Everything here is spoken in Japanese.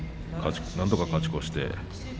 なんとか勝ち越して。